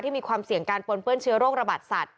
มีความเสี่ยงการปนเปื้อนเชื้อโรคระบาดสัตว